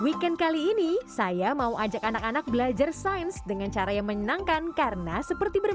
weekend kali ini saya mau ajak anak anak belajar sains dengan cara yang menyenangkan karena seperti ber